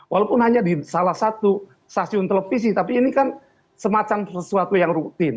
walaupun hanya di salah satu stasiun televisi tapi ini kan semacam sesuatu yang rutin